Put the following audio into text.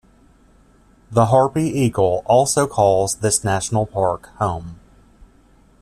The harpy eagle also calls this national park home.